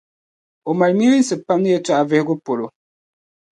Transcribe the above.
O mali milinsi pam ni yɛtɔɣa vihigu polo.